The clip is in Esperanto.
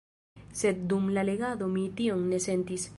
Sed dum la legado mi tion ne sentis.